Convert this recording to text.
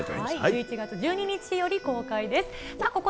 １１月１２日より公開です。